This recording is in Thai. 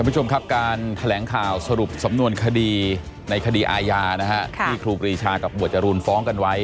คุณผู้ชมครับการแถลงข่าวสรุปสำนวนคดีในคดีอาญานะฮะที่ครูปรีชากับหมวดจรูนฟ้องกันไว้